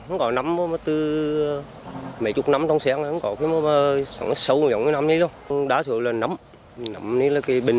không có nấm mấy chút nấm trong xe không có sâu giống như nấm này luôn đá sữa là nấm nấm bình